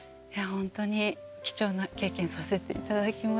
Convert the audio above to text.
本当に貴重な経験させて頂きました。